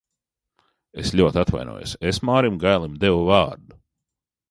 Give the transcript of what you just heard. Es ļoti atvainojos, es Mārim Gailim devu vārdu!